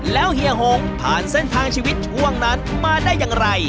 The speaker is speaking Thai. แล้วเฮียหงผ่านเส้นทางชีวิตช่วงนั้นมาได้อย่างไร